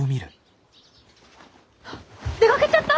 あっ出かけちゃった！？